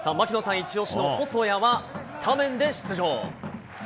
イチオシの細谷はスタメンで出場。